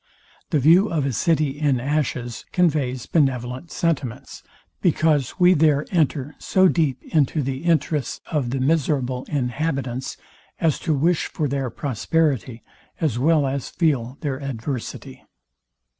The view of a city in ashes conveys benevolent sentiments; because we there enter so deep into the interests of the miserable inhabitants, as to wish for their prosperity, as well as feel their adversity.